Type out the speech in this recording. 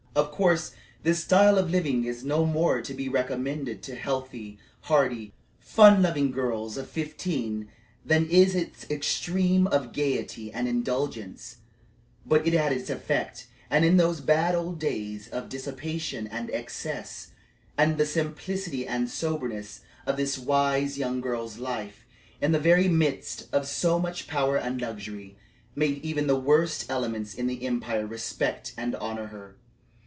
Of course this style of living is no more to be recommended to healthy, hearty, fun loving girls of fifteen than is its extreme of gayety and indulgence, but it had its effect in those bad old days of dissipation and excess, and the simplicity and soberness of this wise young girl's life in the very midst of so much power and luxury, made even the worst elements in the empire respect and honor her.